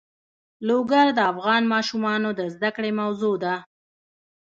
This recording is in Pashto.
لوگر د افغان ماشومانو د زده کړې موضوع ده.